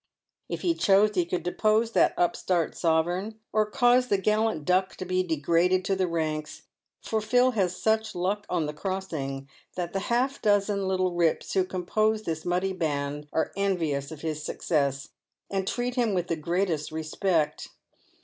If he chose, he could depose that upstart sovereign, or cause the gallant Duck to be degraded to the ranks; for Phil has such " luck on the crossing," that the half dozen little rips who compose fhis muddy band are envious of his success, and treat him with the greatest respect.